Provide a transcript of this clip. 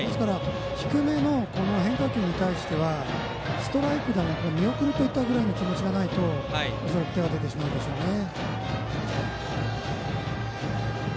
低めの変化球に対してはストライクだろうが見送るぐらいの気持ちがないと恐らく手が出てしまうでしょうね。